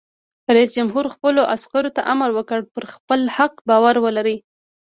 رئیس جمهور خپلو عسکرو ته امر وکړ؛ پر خپل حق باور ولرئ!